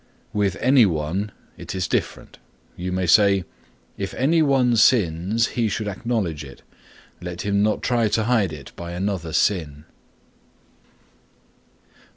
With any one it is different. You may say "If any one sins he should acknowledge it; let him not try to hide it by another sin."